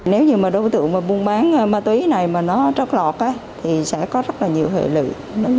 nếu như đối tượng mua bán ma túy này mà nó trót lọt thì sẽ có rất nhiều hệ lực